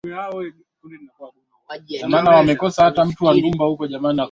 Kevin anataka kumwongelesha Stacey.